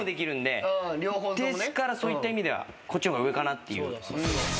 ですからそういった意味ではこっちのが上かなっていう。